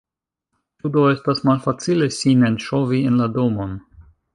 Ĉu do estas malfacile sin enŝovi en la domon?